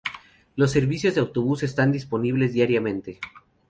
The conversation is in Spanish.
Los servicios de autobús están disponibles diariamente.